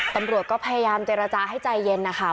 ตำรวจก็พยายามเจรจาให้ใจเย็นนะคะ